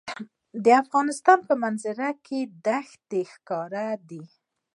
د افغانستان په منظره کې دښتې ښکاره دي.